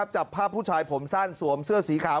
จับภาพผู้ชายผมสั้นสวมเสื้อสีขาว